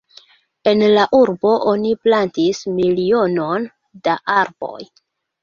En la urbo oni plantis milionon da arboj.